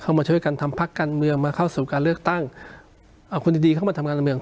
มาช่วยกันทำพักการเมืองมาเข้าสู่การเลือกตั้งเอาคนดีดีเข้ามาทำงานการเมือง